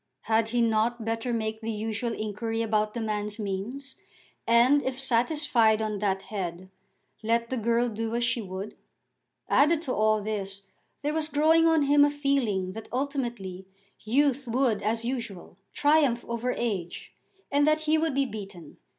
Had he not better make the usual inquiry about the man's means, and, if satisfied on that head, let the girl do as she would? Added to all this there was growing on him a feeling that ultimately youth would as usual triumph over age, and that he would be beaten.